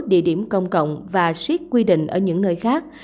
một số địa điểm công cộng và xiết quy định ở những nơi khác